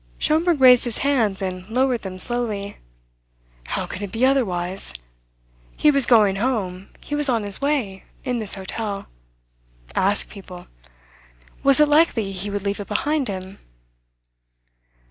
Schomberg raised his hands and lowered them slowly. "How can it be otherwise? He was going home, he was on his way, in this hotel. Ask people. Was it likely he would leave it behind him?"